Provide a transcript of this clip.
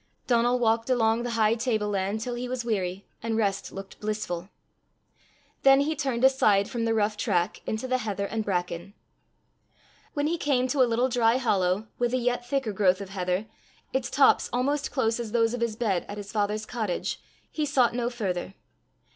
Donal walked along the high table land till he was weary, and rest looked blissful. Then he turned aside from the rough track into the heather and bracken. When he came to a little dry hollow, with a yet thicker growth of heather, its tops almost as close as those of his bed at his father's cottage, he sought no further.